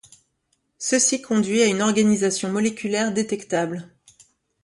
Ceci conduit à une réorganisation moléculaire détectable.